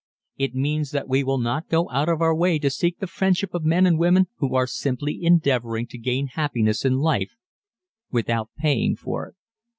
It means that we will not go out of our way to seek the friendship of men and women who are simply endeavoring to gain happiness in life without paying for it.